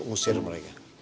untuk ngusir mereka